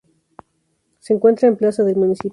Se encuentra en Plaza del Municipio.